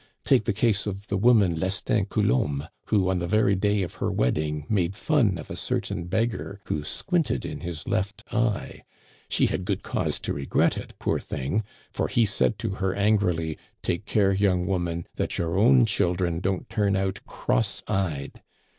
Take the case of the woman, Lestin Coulombe, who, on the very day of her wedding, made fun of a certain beggar who squinted in his left eye. She had good cause to regret it, poor thing ; for he said to her angrily :Take care, young woman, that your own chil Digitized by LjOOQIC A SUPPER. 93 dren don't turn out cross eyed."